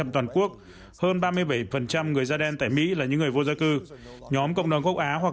ba mươi ba toàn quốc hơn ba mươi bảy người da đen tại mỹ là những người vô gia cư nhóm cộng đồng gốc á hoặc